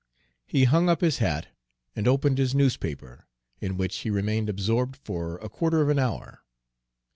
He hung up his hat and opened his newspaper, in which he remained absorbed for a quarter of an hour.